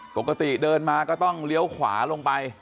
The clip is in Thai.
ปกติเดินมาก็ต้องเลี้ยวขวาลงไป